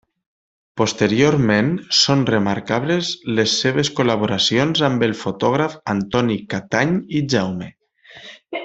Posteriorment són remarcables les seves col·laboracions amb el fotògraf Antoni Catany i Jaume.